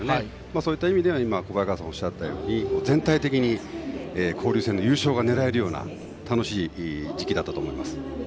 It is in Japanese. そういった意味では今、小早川さんがおっしゃったように全体的に交流戦の優勝が狙えるような楽しい時期だったと思います。